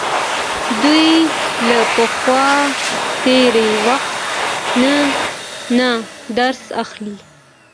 دوی له خپل تیره وخت نه درس اخلي.